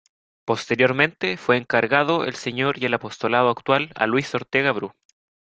Posteriormente fue encargado el Señor y el apostolado actual a Luis Ortega Bru.